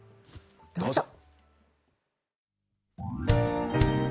どうぞ。